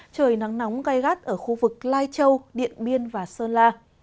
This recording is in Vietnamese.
trời nắng nóng gai gắt ở khu vực lai châu điện biên và sơn la